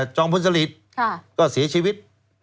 จอมพลสลิตก็เสียชีวิต